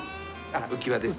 浮輪ですね。